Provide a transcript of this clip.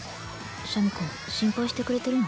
シャミ子心配してくれてるの？